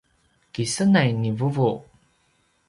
kisenay ni vuvu